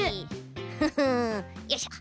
フフよいしょ。